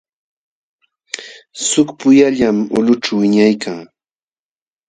Suk puyallam ulqućhu wiñaykan.